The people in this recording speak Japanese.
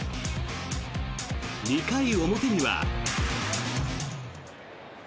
２回表には。